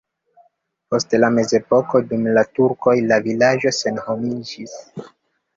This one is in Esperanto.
Post la mezepoko dum la turkoj la vilaĝo senhomiĝis.